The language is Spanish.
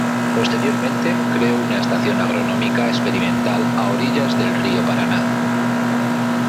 Posteriormente, creó una estación agronómica experimental a orillas del río Paraná.